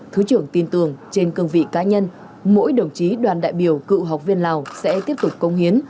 thứ trưởng tin tưởng trên cương vị cá nhân mỗi đồng chí đoàn đại biểu cựu học viên lào sẽ tiếp tục công hiến